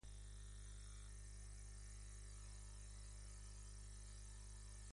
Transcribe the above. D. Juan organiza el primer viaje de Diogo Cão.